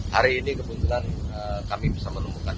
hari ini kebetulan kami bisa menemukan